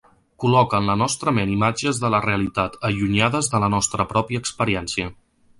Col·loca en la nostra ment imatges de la realitat allunyades de la nostra pròpia experiència.